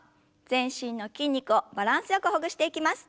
全身の筋肉をバランスよくほぐしていきます。